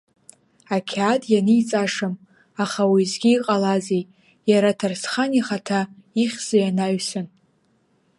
Ақьаад ианиҵашам, аха уеизгьы иҟалазеи, иара, Ҭарсхан ихаҭа ихьзеи анаҩсан?